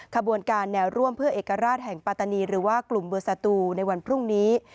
ขบวนการแนวร่วมเพื่อเอกราชแห่งปาตานีหรือว่ากลุ่มเบอร์สตูในวันพรุ่งนี้